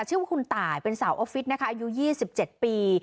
ชื่อว่าคุณตายเป็นสาวออฟฟิศนะคะอายุ๒๗ปี